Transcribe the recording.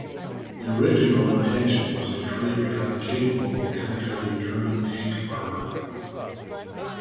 The original intention was to create a gun capable of penetrating German tank armour.